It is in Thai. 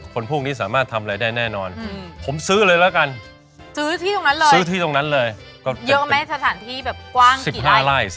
คนพวกนี้สามารถทำอะไรได้แน่นอนผมซื้อเลยแล้วกันซื้อที่ตรงนั้นเลยเยอะกว่าไม่ได้สถานที่แบบกว้าง๑๕ไร่๑๕ไร่